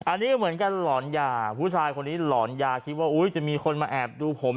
อันนี้ก็เหมือนกันหลอนยาผู้ชายคนนี้หลอนยาคิดว่าจะมีคนมาแอบดูผม